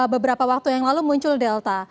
beberapa waktu yang lalu muncul delta